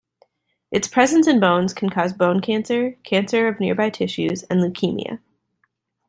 Its presence in bones can cause bone cancer, cancer of nearby tissues, and leukemia.